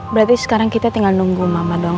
berarti sekarang kita tinggal nunggu mama dong